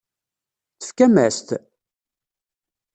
Tefkam-as-t?